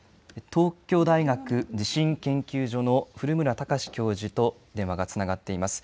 東京大学地震研究所の古村孝志教授と電話がつながっています。